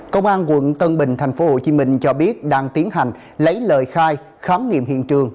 công an quận tân bình tp hcm cho biết đang tiến hành lấy lời khai khám nghiệm hiện trường